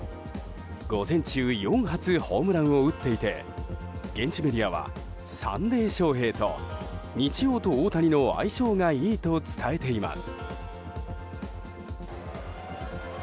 ５戦中４発ホームランを打っていて現地メディアはサンデー翔平と日曜と大谷の相性がいいと伝えています。